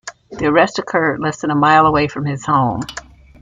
The arrest occurred less than a mile away from his home.